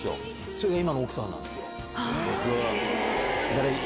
それが今の奥さんなんですよ。